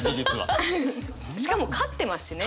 しかも勝ってますしね。